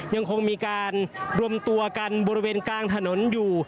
ยังคงมีการรวมตัวกันบริเวณกลางถนนอยู่